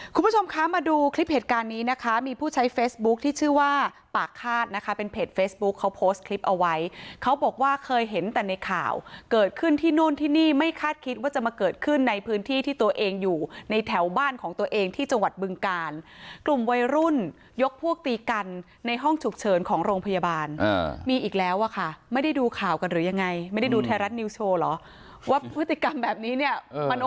คุณผู้ชมคะมาดูคลิปเหตุการณ์นี้นะคะมีผู้ใช้เฟซบุ๊คที่ชื่อว่าปากฆาตนะคะเป็นเพจเฟซบุ๊คเขาโพสต์คลิปเอาไว้เขาบอกว่าเคยเห็นแต่ในข่าวเกิดขึ้นที่นู่นที่นี่ไม่คาดคิดว่าจะมาเกิดขึ้นในพื้นที่ที่ตัวเองอยู่ในแถวบ้านของตัวเองที่จังหวัดบึงกาลกลุ่มวัยรุ่นยกฟวกตีกันในห้องฉุกเฉินของโ